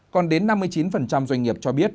còn đến năm mươi chín doanh nghiệp cho biết